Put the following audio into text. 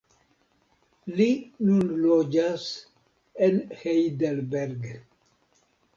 Li nun loĝas en Heidelberg.